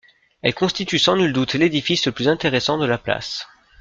Elle constitue sans nul doute l'édifice le plus intéressant de la place.